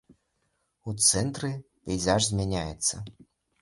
У цэнтры пейзаж змяняецца.